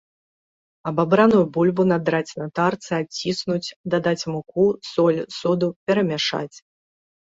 Абабраную бульбу надраць на тарцы, адціснуць, дадаць муку, соль, соду, перамяшаць.